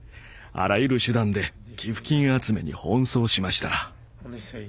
あらゆる手段で寄付金集めに奔走しました。